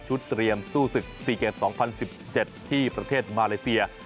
เตรียมสู้ศึก๔เกม๒๐๑๗ที่ประเทศมาเลเซีย